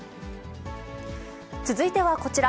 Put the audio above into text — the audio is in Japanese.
続いてはこちら。